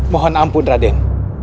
mohon ampun raden